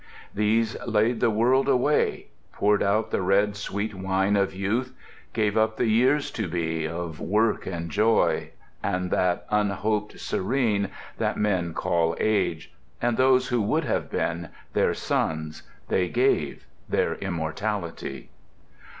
These laid the world away; poured out the red Sweet wine of youth; gave up the years to be Of work and joy, and that unhoped serene, That men call age; and those who would have been, Their sons, they gave, their immortality.